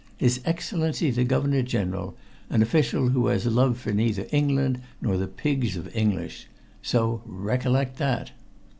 "His Excellency the Governor General, an official who has love for neither England nor the pigs of English. So recollect that."